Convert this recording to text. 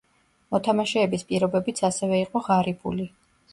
მოთამაშეების პირობებიც ასევე იყო ღარიბული.